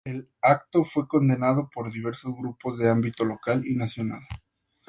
El acto fue condenado por diversos grupos de ámbito local y nacional.